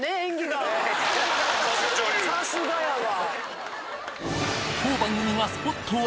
さすがやわ。